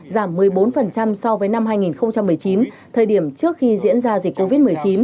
giảm một mươi bốn so với năm hai nghìn một mươi chín thời điểm trước khi diễn ra dịch covid một mươi chín